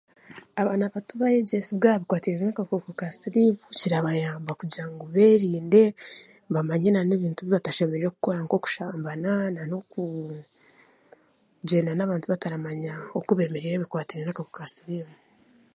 Abaana bato baayegyesibwa aha bikwatiriine n'akakooko ka siriimu kirabayamba kugira ngu beerinde bamanye n'ebintu ebi batashemereire kukora nk'okushambana nan'okugyenda n'abantu bataramanya oku beemereire ebikwatiraine n'akakooko ka sirimu